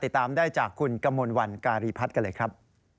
ติดตามได้จากคุณกมลวันการีพัฒน์กันเลยครับ